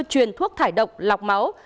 truyền thuốc thải độc lọc máu